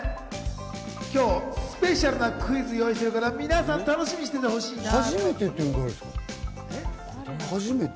今日スペシャルなクイズ用意していますから皆さん楽しみにしていてほしいな。